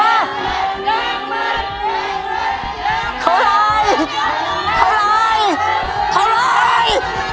เท่าไรเท่าไรเท่าไร